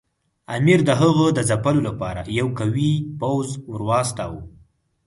امیر د هغه د ځپلو لپاره یو قوي پوځ ورواستاوه.